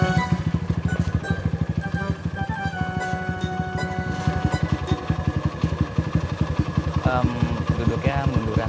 ehm duduknya munduran